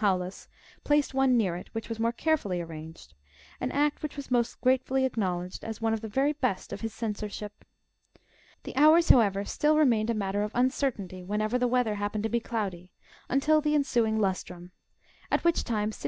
Paulus, placed one near it, which was more carefully ar ranged : an act which was most gratefully acknowledged, as one of the very best of his censorship. The hours, however, still remained a matter of uncertainty, whenever the weather '^ This column is supposed to have stood near the end of the Forum, on the Capitoline Hill.